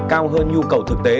cao hơn nhu cầu thực tế